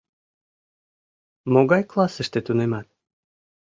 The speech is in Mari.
— Могай классыште тунемат?